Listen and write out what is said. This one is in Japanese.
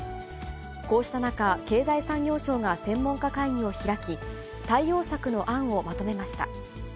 こうした中、経済産業省が専門家会議を開き、対応策の案をまとめました。